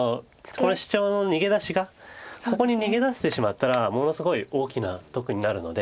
このシチョウの逃げ出しがここに逃げ出してしまったらものすごい大きな得になるので。